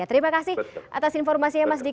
terima kasih atas informasinya mas jk